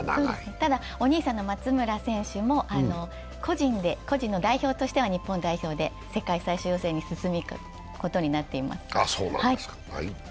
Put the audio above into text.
ただ、お兄さんの松村選手も個人の代表としては日本代表で世界最終予選に進むことになっています。